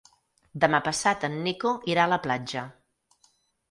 Demà passat en Nico irà a la platja.